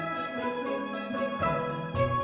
nggak para scoe